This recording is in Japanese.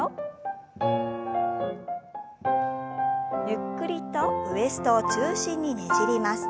ゆっくりとウエストを中心にねじります。